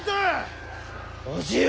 叔父上！